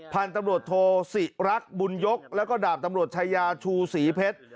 พันธุ์ตำรวจโทศิรักษ์บุญยกแล้วก็ดาบตำรวจชายาชูศรีเพชร